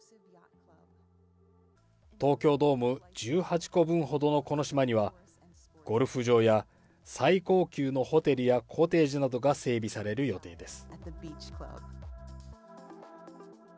東京ドーム１８個分ほどのこの島には、ゴルフ場や最高級のホテルやコテージなどが整備される予定です。